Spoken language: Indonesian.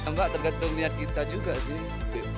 mbak tergantung niat kita juga sih